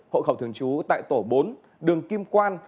hộ khẩu thường trú tại tổ bốn đường kim quan